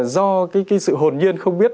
do cái sự hồn nhiên không biết